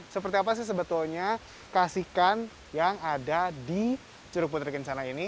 seperti apa sih sebetulnya kasihkan yang ada di curug putri kencana ini